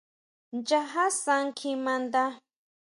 Nchaja san kjimanda.